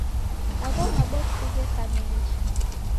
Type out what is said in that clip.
Agho maboksi gheka mengi.